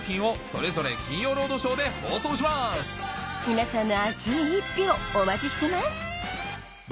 皆さんの熱い１票お待ちしてます